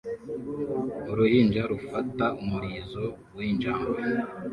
Uruhinja rufata umurizo w'injangwe